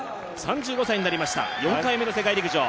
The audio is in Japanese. ３５歳になりました、４回目の世界陸上。